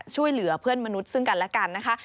ช่วยเหลือเพื่อนมนุษย์ซึ่งกันและกันนะคะ